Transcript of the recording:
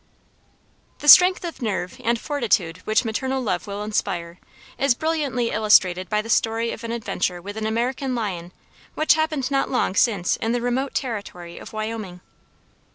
'" The strength of nerve and fortitude which maternal love will inspire, is brilliantly illustrated by the story of an adventure with an American lion which happened not long since in the remote territory of Wyoming.